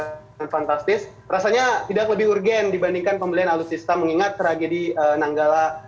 yang fantastis rasanya tidak lebih urgen dibandingkan pembelian alutsista mengingat tragedi nanggala